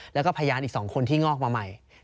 แล้วก็พยานอีก๒คนที่งอกมาใหม่